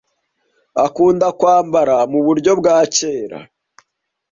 Akunda kwambara muburyo bwa kera.